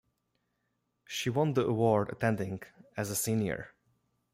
She won the award attending as a senior.